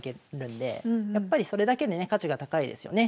やっぱりそれだけでね価値が高いですよね。